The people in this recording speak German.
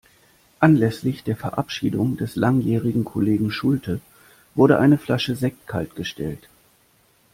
Anlässlich der Verabschiedung des langjährigen Kollegen Schulte, wurde eine Flasche Sekt kaltgestellt.